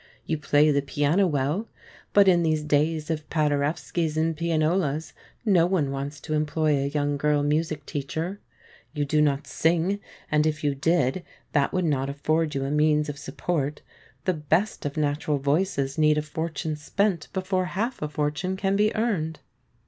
You play the piano well, but in these days of Paderewskies and pianolas, no one wants to employ a young girl music teacher. You do not sing, and if you did, that would not afford you a means of support. The best of natural voices need a fortune spent before half a fortune can be earned.